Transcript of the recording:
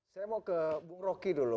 saya mau ke bung roky dulu